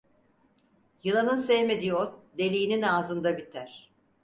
Yılanın sevmediği ot, deliğinin ağzında biter.